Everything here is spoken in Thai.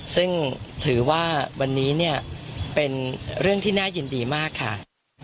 ซึ่งถือว่าวันนี้เนี่ยเป็นเรื่องที่น่ายินดีมากค่ะ